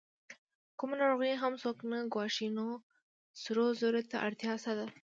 کومه ناروغي هم څوک نه ګواښي، نو سرو زرو ته اړتیا څه ده؟